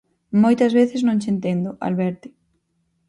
_Moitas veces non che entendo, Alberte.